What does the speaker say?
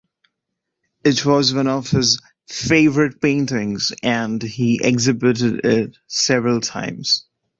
It was one of his favorite paintings and he exhibited it several times.